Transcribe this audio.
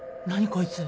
こいつ。